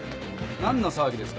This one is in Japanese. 何の騒ぎですか？